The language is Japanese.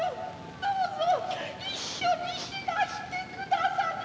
どうぞ一緒に死なしてくださりませ。